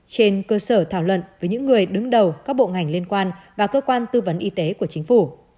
trên cơ sở thảo luận với những người đứng đầu các bộ ngành liên quan và cơ quan tư vấn y tế của chính phủ